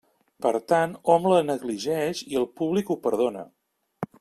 Per tant, hom la negligeix i el públic ho perdona.